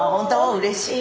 うれしい！